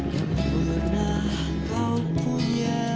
yang pernah kau punya